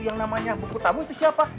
yang namanya buku tamu itu siapa